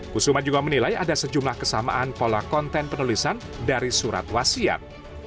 kusuma juga menilai ada sejumlah kesamaan pola konten penulisan dari surat wasiat